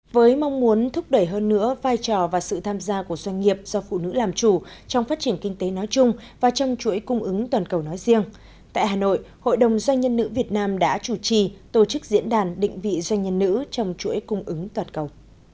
với mong muốn thúc đẩy hơn nữa vai trò và sự tham gia của doanh nghiệp do phụ nữ làm chủ trong phát triển kinh tế nói chung và trong chuỗi cung ứng toàn cầu nói riêng tại hà nội hội đồng doanh nhân nữ việt nam đã chủ trì tổ chức diễn đàn định vị doanh nhân nữ trong chuỗi cung ứng toàn cầu